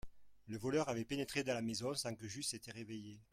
Le voleur avait pénétré dans la maison sans que j'eusse été réveillé.